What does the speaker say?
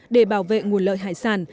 để bảo vệ nguồn lợi hải sản